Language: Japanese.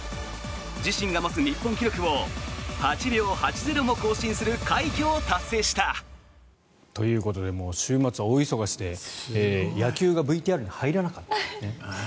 自身が持つ日本記録を８秒８０も更新する快挙を達成した。ということで週末は大忙しで野球がＶＴＲに入らなかったと。